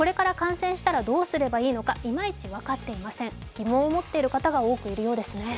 疑問を持っている方が多くいるようですね。